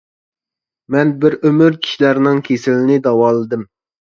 مەن بىر ئۆمۈر كىشىلەرنىڭ كېسىلىنى داۋالىدىم.